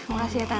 makasih ya tante